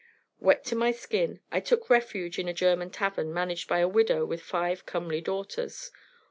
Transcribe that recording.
Wet to my skin, I took refuge in a German tavern managed by a widow with five comely daughters.